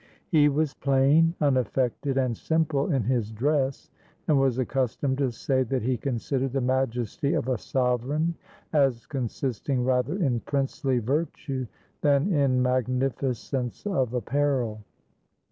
He was plain, unaffected, and simple in his dress, and was accustomed to say that he considered the majesty of a sovereign as consisting rather in princely virtue than in magnificence of apparel.